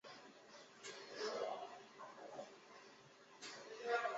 大卡萨是巴西米纳斯吉拉斯州的一个市镇。